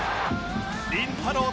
りんたろー。